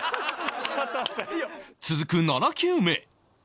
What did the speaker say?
続く７球目